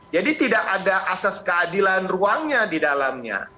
jadi tidak ada asas keadilan ruangnya di dalamnya